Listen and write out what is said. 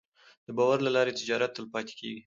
د باور له لارې تجارت تلپاتې کېږي.